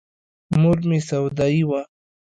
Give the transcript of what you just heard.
مور مې سودايي وه.